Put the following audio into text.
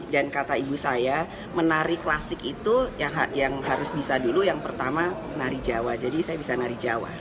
dan kata ibu saya menari klasik itu yang harus bisa dulu yang pertama menari jawa jadi saya bisa menari jawa